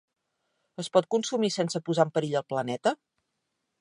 Es pot consumir sense posar en perill el planeta?